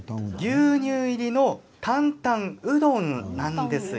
牛乳入りのタンタンうどんなんですよ。